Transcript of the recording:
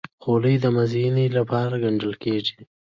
خولۍ د مزینۍ لپاره ګنډل کېږي.